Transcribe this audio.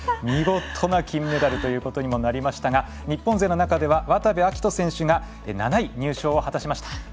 見事な金メダルということにもなりましたが日本勢の中では渡部暁斗選手が７位入賞を果たしました。